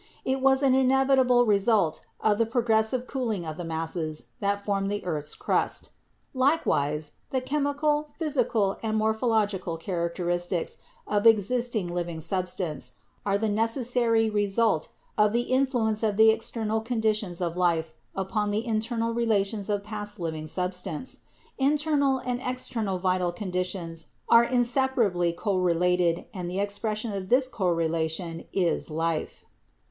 It was an inevitable result of the progressive cooling of the masses that formed the earth's crust. Likewise, the chemical, physical and PHYSIOLOGICAL IDEA OF LIFE 31 morphological characteristics of existing living substance are the necessary result of the influence of the external conditions of life upon the internal relations of past living substance. Internal and external vital conditions are in separably correlated and the expression of this correlation is life.